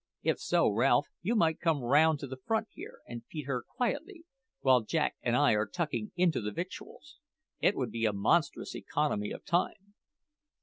If so, Ralph, you might come round to the front here and feed her quietly, while Jack and I are tucking into the victuals. It would be a monstrous economy of time."